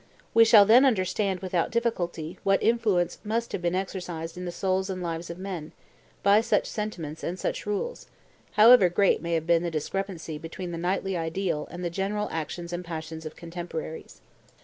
We shall then understand, without difficulty, what influence must have been exercised, in the souls and lives of men, by such sentiments and such rules, however great may have been the discrepancy between the knightly ideal and the general actions and passions of contemporaries.